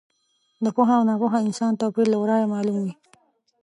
د پوه او ناپوه انسان توپیر له ورایه معلوم وي.